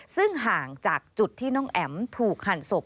ซึ่งห่างจากจุดที่น้องแอ๋มถูกหั่นศพ